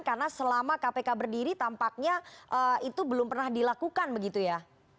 karena selama kpk berdiri tampaknya itu belum pernah dilakukan begitu ya